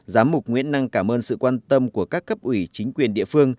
giám mục nguyễn năng cảm ơn sự quan tâm của các cấp ủy chính quyền địa phương